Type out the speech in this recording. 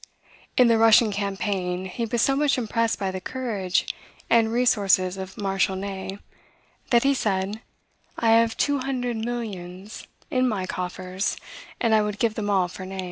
In the Russian campaign, he was so much impressed by the courage and resources of Marshal Ney, that he said, "I have two hundred millions in my coffers, and I would give them all for Ney."